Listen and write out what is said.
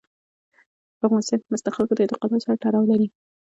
په افغانستان کې مس د خلکو د اعتقاداتو سره تړاو لري.